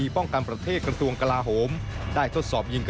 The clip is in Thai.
ขอบคุณครับ